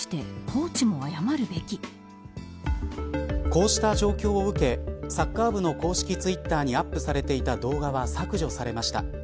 こうした状況を受けサッカー部の公式ツイッターにアップされていた動画は削除されました。